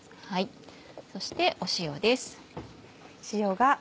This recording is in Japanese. そして塩です。